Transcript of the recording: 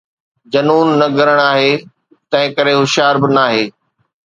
جنون نه گرڻ آهي، تنهنڪري هوشيار به ناهي